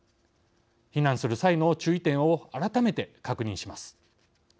避難する際の注意点を改めて確認します。